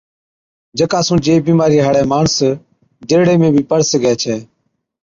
جڪا سُون جي بِيمارِي هاڙَي ماڻس جِرڙي ۾ بِي پَڙ سِگھَي ڇَي۔